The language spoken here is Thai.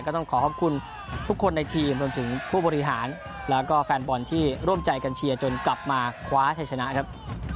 ต้องขอขอบคุณทุกคนในทีมรวมถึงผู้บริหารแล้วก็แฟนบอลที่ร่วมใจกันเชียร์จนกลับมาคว้าชัยชนะครับ